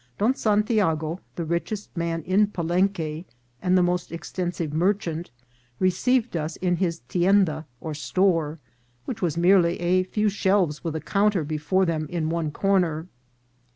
Don Santiago, the richest man in Palenque, and the most extensive merchant, re ceived us in his tienda or store, which was merely a few shelves with a counter before them in one corner, and his VOL.